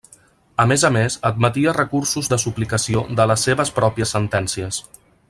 A més a més admetia recursos de suplicació de les seves pròpies sentències.